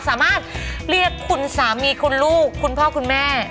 สามารถเรียกคุณสามีคุณลูกคุณพ่อคุณแม่